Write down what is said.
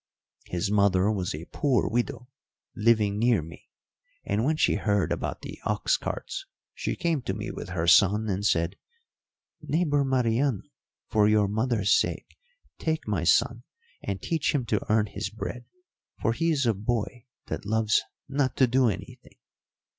His mother was a poor widow, living near me, and when she heard about the ox carts she came to me with her son and said, 'Neighbour Mariano, for your mother's sake, take my son and teach him to earn his bread, for he is a boy that loves not to do anything.'